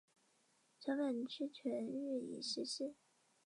板桥区全域已实施。